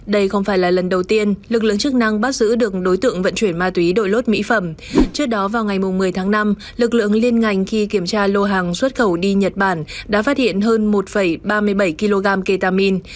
đây không phải là lần đầu tiên lực lượng chức năng bắt giữ được đối tượng vận chuyển ma túy đội lốt mỹ phẩm trước đó vào ngày một mươi tháng năm lực lượng liên ngành khi kiểm tra lô hàng xuất khẩu đi nhật bản đã phát hiện hơn một ba mươi bảy kg ketamine